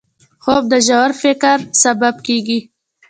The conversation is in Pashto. خوب د ژور فکر سبب کېږي